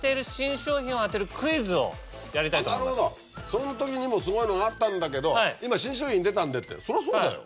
そのときにもすごいのがあったんだけど今新商品出たんでってそりゃそうだよ。